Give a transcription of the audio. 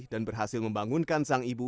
dan berhasil membangunkan sang ibu